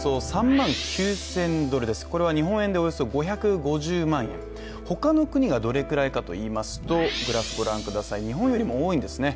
３万９０００ドルです、これは日本円でおよそ５５０万円、ほかの国がどれくらいかといいますと日本よりも多いんですね。